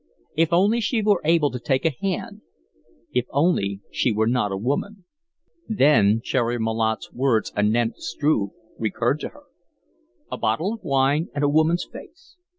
If only she were able to take a hand if only she were not a woman. Then Cherry Malotte's words anent Struve recurred to her, "A bottle of wine and a woman's face."